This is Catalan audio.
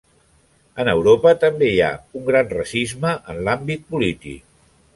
En Europa també hi ha un gran racisme en l'àmbit polític.